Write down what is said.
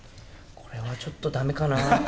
これはちょっとだめかな。